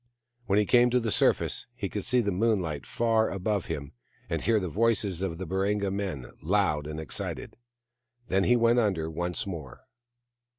WTien he came to the surface he could see the moonlight far above him, and hear the voices of the Baringa men, loud and excited. Then he went under once more.